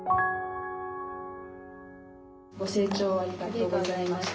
ご清聴ありがとうございました。